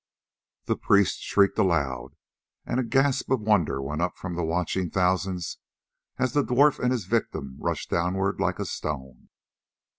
The priest shrieked aloud, and a gasp of wonder went up from the watching thousands as the dwarf and his victim rushed downward like a stone.